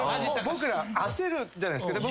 僕ら焦るじゃないっすか。